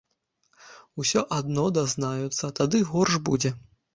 Усё адно дазнаюцца, тады горш будзе.